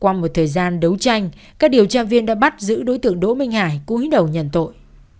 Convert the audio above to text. qua một thời gian đấu tranh các điều tra viên đã bắt giữ đối tượng đỗ minh hải cuối đầu nhận tội